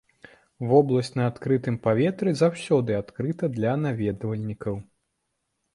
Вобласць на адкрытым паветры заўсёды адкрыта для наведвальнікаў.